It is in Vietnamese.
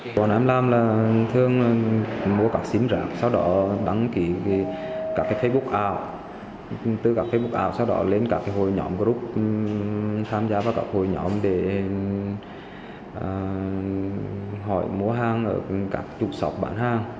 bọn em làm là thường mua các sim rạng sau đó đăng ký các facebook ảo từ các facebook ảo sau đó lên các hội nhóm group tham gia vào các hội nhóm để hỏi mua hàng ở các trục sọp bán hàng